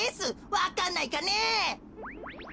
わかんないかねえ。